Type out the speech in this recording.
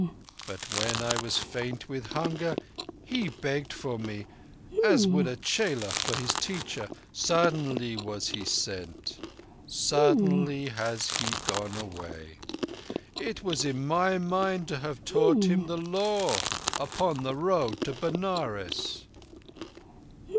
And when I was faint with hunger he begged for me, as would a chela for his teacher. Suddenly was he sent. Suddenly has he gone away. It was in my mind to have taught him the Law upon the road to Benares."